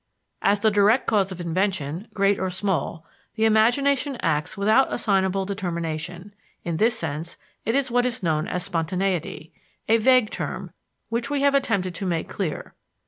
As the direct cause of invention, great or small, the imagination acts without assignable determination; in this sense it is what is known as "spontaneity" a vague term, which we have attempted to make clear.